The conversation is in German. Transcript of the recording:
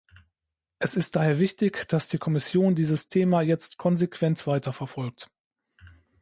Es ist daher wichtig, dass die Kommission dieses Thema jetzt konsequent weiterverfolgt.